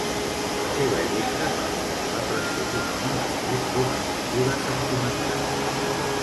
La seva lletra parla de la depressió d'un home després d'una ruptura sentimental.